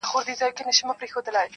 تېرول چي مي کلونه هغه نه یم -